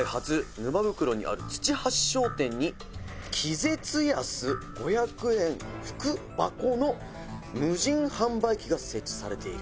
沼袋にある土橋商店に気絶安５００円福箱の無人販売機が設置されている」